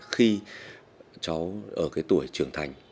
khi cháu ở cái tuổi trưởng thành